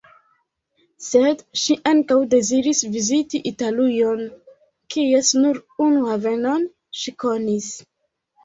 Sed ŝi ankaŭ deziris viziti Italujon, kies nur unu havenon ŝi konis.